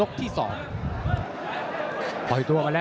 ขอบคุณใบยังคุณศิลปกเจียวสกุลไพรปัญญาลักษณ์